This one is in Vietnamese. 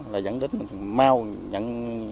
là dẫn đến mau nhận